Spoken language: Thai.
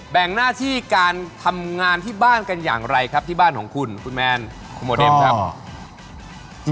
หน้าที่การทำงานที่บ้านกันอย่างไรครับที่บ้านของคุณคุณแมนคุณโมเดมครับ